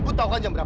lewat tengah malam